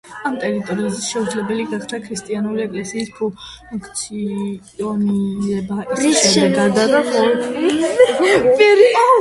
ამ ტერიტორიაზე შეუძლებელი გახდა ქრისტიანული ეკლესიის ფუნქციონირება, რის შედეგადაც მოქვის ეპარქია გაუქმდა.